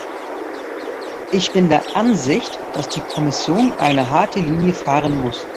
Ich bin der Ansicht, dass die Kommission eine harte Linie fahren muss.